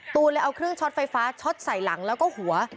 ตูนเลยเอาเครื่องช็อตไฟฟ้าช็อตใส่หลังแล้วก็หัว